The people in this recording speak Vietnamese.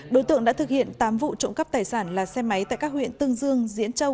đối tượng đã thực hiện tám vụ trộm cắp tài sản là xe máy tại các huyện tương dương diễn châu